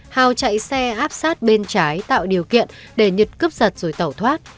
hào chạy xe áp sát bên trái tạo điều kiện để nhật cướp giật rồi tẩu thoát